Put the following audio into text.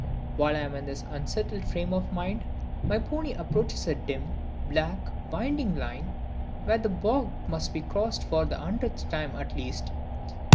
While I am in this unsettled frame of mind, my pony approaches a dim, black, winding line, where the bog must be crossed for the hundredth time at least.